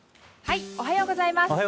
おはようございます。